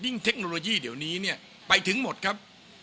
เทคโนโลยีเดี๋ยวนี้เนี่ยไปถึงหมดครับ